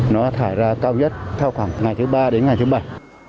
nó thải ra cao nhất trong khoảng ngày thứ ba đến ngày thứ bảy